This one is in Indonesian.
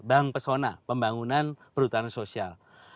bank pesona pembangunan perhutanan sosial